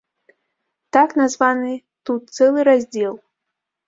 Так названы тут цэлы раздзел.